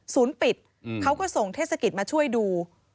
ปิดเขาก็ส่งเทศกิจมาช่วยดู